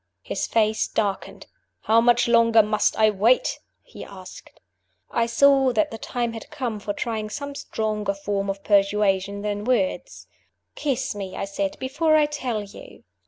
His face darkened. "How much longer must I wait?" he asked. I saw that the time had come for trying some stronger form of persuasion than words. "Kiss me," I said, "before I tell you!"